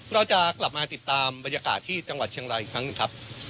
เราจะกลับมาติดตามบรรยากาศที่จังหวัดเชียงรายอีกครั้งหนึ่งครับ